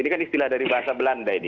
ini kan istilah dari bahasa belanda ini